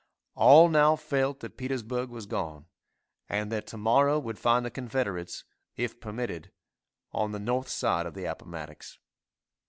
All now felt that Petersburg was gone, and that to morrow would find the Confederates, if permitted, on the north side of the Appomattox.